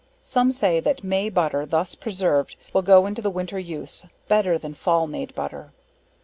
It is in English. Some say that May butter thus preserved, will go into the winter use, better than fall made butter.